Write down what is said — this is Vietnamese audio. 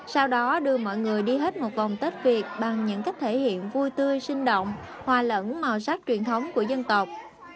sau đó đưa mọi người đi hết một vòng tết việt bằng những cách thể hiện vui tươi sinh động hòa lẫn màu sắc truyền thống của dân tộc